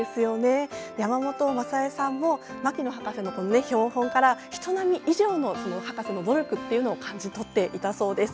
山本正江さんも牧野博士の標本から人並み以上の博士の努力というのを感じ取っていたそうです。